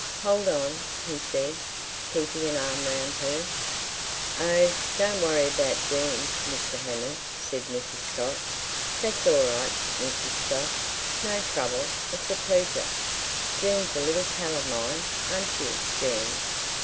"Hold on," he said, keeping an arm round her. "Oh, don't worry about Jean, Mr. Hammond!" said Mrs. Scott. "That's all right, Mrs. Scott. No trouble. It's a pleasure. Jean's a little pal of mine, aren't you, Jean?"